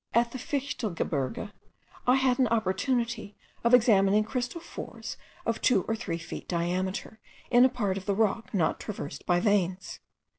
at the Fichtelgebirge, I had an opportunity of examining crystal fours of two or three feet diameter, in a part of the rock not traversed by veins.